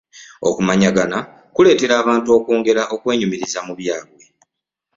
okumanyaganya kuleetera abantu okwongera okwenyumiriza mu byabwe.